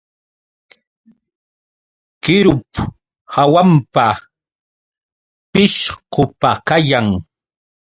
Qirup hawampa pishqupa kayan.